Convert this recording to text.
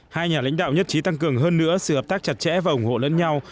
hai nhà lãnh đạo nhất trí tăng cường hơn nữa sự hợp tác chặt chẽ và ủng hộ lẫn nhau